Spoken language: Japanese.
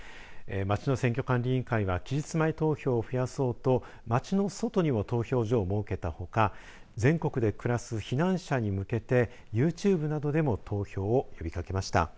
町の選挙管理委員会は期日前投票を増やそうと町の外にも投票所を設けたほか全国で暮らす避難者に向けてユーチューブなどでも投票を呼びかけました。